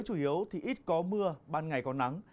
chủ yếu thì ít có mưa ban ngày có nắng